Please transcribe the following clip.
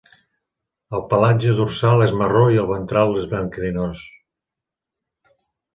El pelatge dorsal és marró i el ventral és blanquinós.